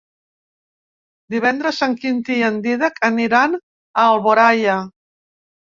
Divendres en Quintí i en Dídac aniran a Alboraia.